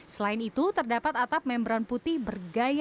selain itu terdapat atap membran putih bergaya